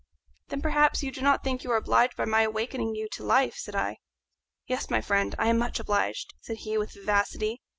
"Then perhaps you do not think you are obliged by my awakening you to life?" said I. "Yes, my friend, I am much obliged," said he with vivacity.